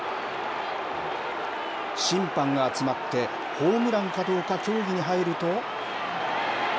審判が集まってホームランかどうか、協議に入ると。